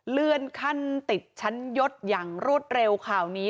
เลื่อนขั้นติดชั้นยศอย่างรวดเร็วข่าวนี้